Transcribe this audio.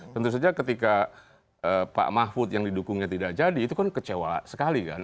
tentu saja ketika pak mahfud yang didukungnya tidak jadi itu kan kecewa sekali kan